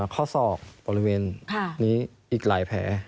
ข้อศอกบริเวณนี้อีกหลายแผล